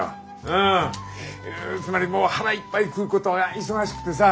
うんつまりもう腹いっぱい食うことが忙しくてさ。